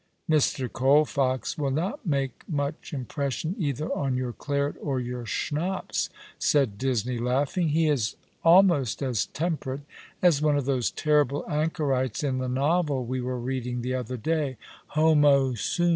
"Mr. Colfox will not make much impression either on your claret or your schnapps/' paid Disney, laughing. ^'He ''Under the Pine wood!' 159 is almost as temperate as one of those terrible anchorites in the novel we were reading the other day —' Homo Sum.'